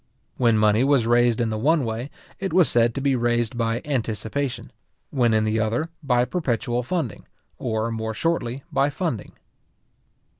When money was raised in the one way, it was said to be raised by anticipation; when in the other, by perpetual funding, or, more shortly, by funding.